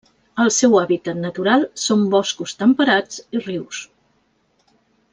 El seu hàbitat natural són boscos temperats i rius.